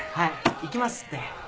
行きますって。